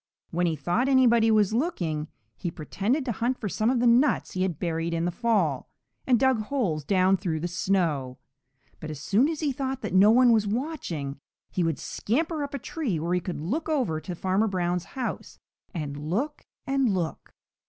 When he thought anybody was looking, he pretended to hunt for some of the nuts he had buried in the fall, and dug holes down through the snow. But as soon as he thought that no one was watching, he would scamper up a tree where he could look over to Farmer Brown's house and look and look.